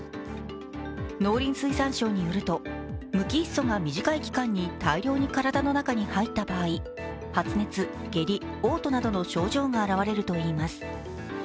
農林水産省によると、無機ヒ素が短い期間に大量に体の中に入った場合発熱、下痢、おう吐などの症状が現れるといいます。